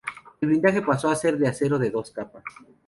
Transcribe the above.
El blindaje pasó a ser de acero de dos capas.